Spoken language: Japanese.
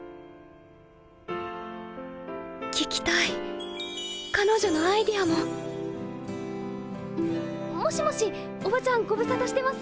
聞きたい彼女のアイデアももしもしおばちゃんご無沙汰してます。